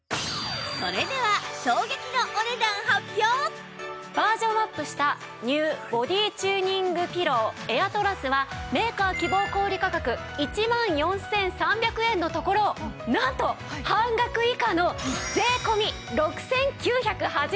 それではバージョンアップした ＮＥＷ ボディチューニングピローエアトラスはメーカー希望小売価格１万４３００円のところなんと半額以下の税込６９８０円です。